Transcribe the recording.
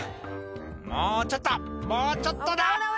「もうちょっともうちょっとだ」